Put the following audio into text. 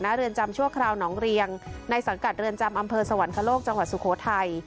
เรือนจำชั่วคราวหนองเรียงในสังกัดเรือนจำอำเภอสวรรคโลกจังหวัดสุโขทัย